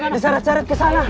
di sana cari ke sana